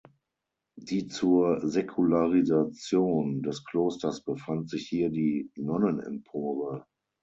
Die zur Säkularisation des Klosters befand sich hier die Nonnenempore.